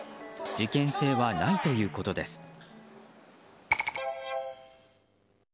事件性はないということです。